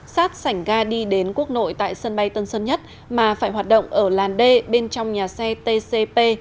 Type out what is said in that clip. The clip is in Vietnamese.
sát sảnh ga đi đến quốc nội tại sân bay tân sơn nhất mà phải hoạt động ở làn d bên trong nhà xe tcp